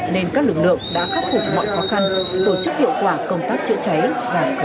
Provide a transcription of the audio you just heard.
nên các lực lượng đã khắc phục mọi khó khăn tổ chức hiệu quả công tác chữa cháy và cứu nạn